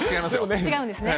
違うんですね。